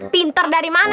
pinter dari mana